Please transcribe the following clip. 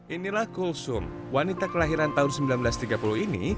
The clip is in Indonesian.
inilah kulsum wanita kelahiran tahun seribu sembilan ratus tiga puluh ini